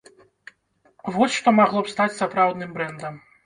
Во што магло б стаць сапраўдным брэндам.